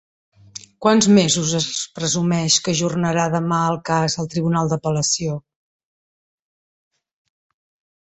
Quants mesos es presumeix que ajornarà demà el cas el Tribunal d'Apel·lació?